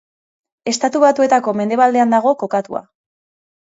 Estatu Batuetako mendebaldean dago kokatua.